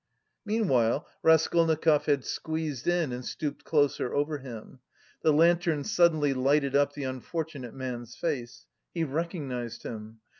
Meanwhile Raskolnikov had squeezed in and stooped closer over him. The lantern suddenly lighted up the unfortunate man's face. He recognised him.